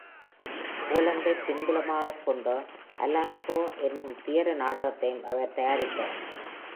போலந்தைப் பின்புலமாகக் கொண்ட Alasco என்னும் துயர நாடகத்தையும் அவர் தயாரித்தார்.